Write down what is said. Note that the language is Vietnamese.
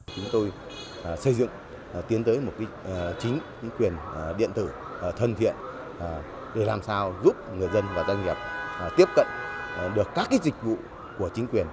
chúng tôi xây dựng tiến tới một chính quyền điện tử thân thiện để làm sao giúp người dân và doanh nghiệp tiếp cận được các dịch vụ của chính quyền